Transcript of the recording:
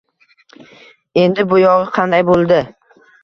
Endi bu yog`i qanday bo`ldi